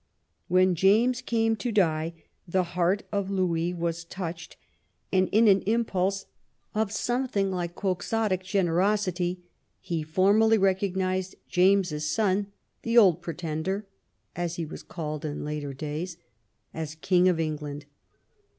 When James came to die, the heart of Louis was touched, and in an impulse of something 40 WHAT THE QUEEN CAME TO— ABROAD like Quixotic generosity he formally recognized James's son, the Old Pretender, as he was called in later days, as King of England.